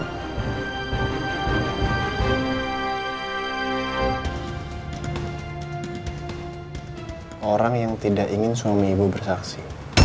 orang yang tidak ingin suami ibu bersaksi